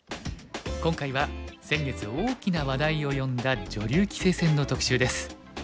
今回は先月大きな話題を呼んだ女流棋聖戦の特集です。